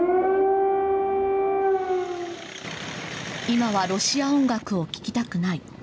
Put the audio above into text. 今はロシア音楽を聞きたくない。